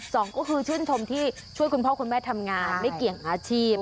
สองก็คือชื่นชมที่ช่วยคุณพ่อคุณแม่ทำงานไม่เกี่ยงอาชีพ